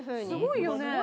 すごいよね。